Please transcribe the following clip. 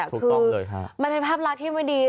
คือมันเป็นภาพรักษ์ที่ไม่ดี